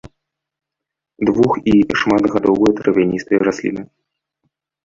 Двух- і шматгадовыя травяністыя расліны.